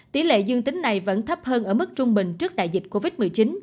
tỷ lệ dương tính này vẫn thấp hơn ở mức trung bình trước đại dịch covid một mươi chín